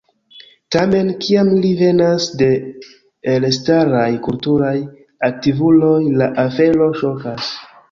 Tamen, kiam ili venas de elstaraj kulturaj aktivuloj, la afero ŝokas.